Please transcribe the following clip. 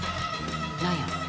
何や？